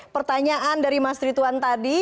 pertanyaan dari mas rituan tadi